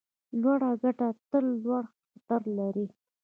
لوړه ګټه تل لوړ خطر لري.